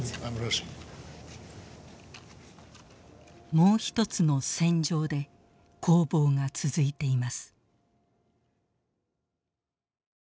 もうひとつの「戦場」で攻防が続いています。